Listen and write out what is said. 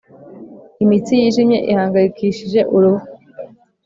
imitsi yijimye ihangayikishije uruhu.